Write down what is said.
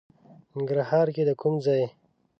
ننګرهار کې د کوم ځای؟